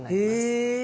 へえ。